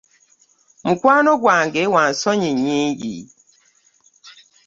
Mukwano gwange wansonyi nyingi.